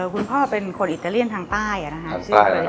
คุณพ่อเป็นคนอิตาเลียนทางใต้นะครับ